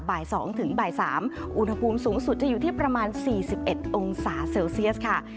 บ่าย๒ถึงบ่าย๓อุณหภูมิสูงสุดจะอยู่ที่ประมาณ๔๑องศาเซลเซียสค่ะ